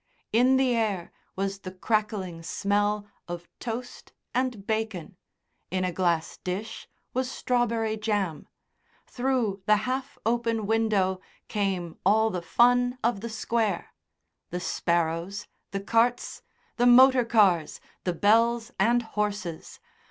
In the air was the crackling smell of toast and bacon, in a glass dish was strawberry jam, through the half open window came all the fun of the Square the sparrows, the carts, the motor cars, the bells, and horses....